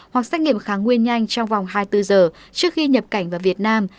hoặc xét nghiệm kháng nguyên nhanh trong vòng hai mươi bốn giờ trước khi nhập cảnh vào việt nam